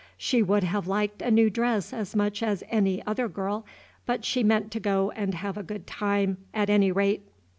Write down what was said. She would have liked a new dress as much as any other girl, but she meant to go and have a good time at any rate.